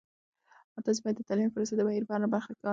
تاسې باید د تعلیمي پروسې د بهیر په هره برخه کې برخه واخلئ.